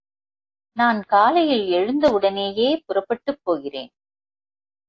நான் காலையில் எழுந்தவுடனேயே புறப்பட்டுப் போகிறேன்.